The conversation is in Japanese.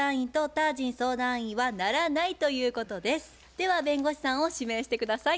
では弁護士さんを指名して下さい。